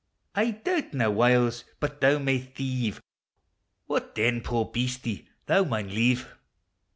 i I doubtna, whyles, but thou may thieve; What then? poor beastie, thou maun live!